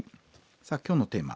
さあ今日のテーマ